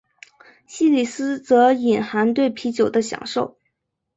西里斯则隐含对啤酒的享受。